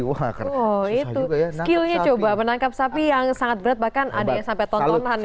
oh itu skillnya coba menangkap sapi yang sangat berat bahkan ada yang sampai tontonan ya